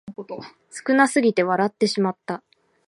少なすぎて笑ってしまった